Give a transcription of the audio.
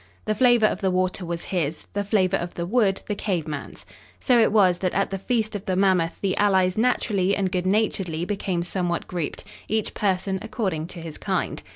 The flavor of the water was his, the flavor of the wood the cave man's. So it was that at the feast of the mammoth the allies naturally and good naturedly became somewhat grouped, each person according to his kind.